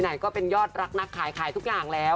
ไหนก็เป็นยอดรักนักขายขายทุกอย่างแล้ว